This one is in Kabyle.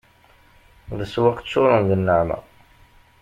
Leswaq ččuren d nneɛma